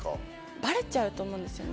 バレちゃうと思うんですよね。